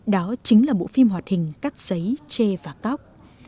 đó chính là bộ phim hoạt hình cắt giấy chê và cóc